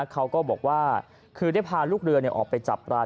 เขาก็บอกว่าคือได้พาลูกเรือออกไปจับปลา